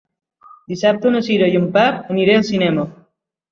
Dissabte na Cira i en Pep aniré al cinema.